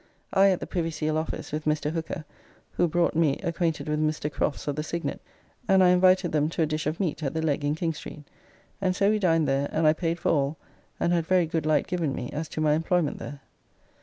I at the Privy Seal Office with Mr. Hooker, who brought me acquainted with Mr. Crofts of the Signet, and I invited them to a dish of meat at the Leg in King Street, and so we dined there and I paid for all and had very good light given me as to my employment there.